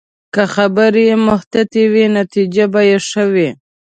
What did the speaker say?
که خبرې محتاطې وي، نتیجه به ښه وي